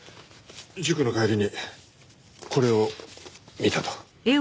塾の帰りにこれを見たと。